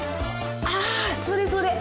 あそれそれ。